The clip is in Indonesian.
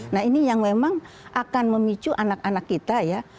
nah ini yang memang akan memicu anak anak kita ya